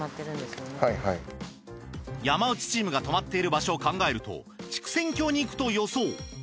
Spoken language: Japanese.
山内チームが泊まっている場所を考えると竹仙郷に行くと予想。